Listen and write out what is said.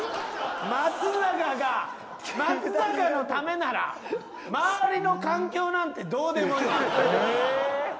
松坂が松坂のためなら周りの環境なんてどうでもいい。